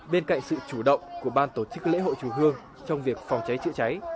bên cạnh sự chủ động của ban tổ chức lễ hội chùa hương trong việc phòng cháy chữa cháy